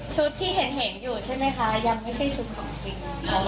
ที่เห็นอยู่ใช่ไหมคะยังไม่ใช่ชุดของจริง